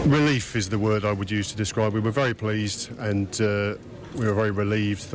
เราไม่ใช่ฮีโรคเราก็ควรเอาความสำคัญ